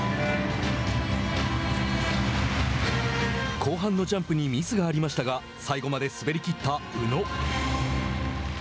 後半のジャンプにミスがありましたが最後まで滑りきった宇野。